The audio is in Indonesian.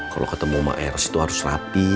kalau ketemu sama ers itu harus rapi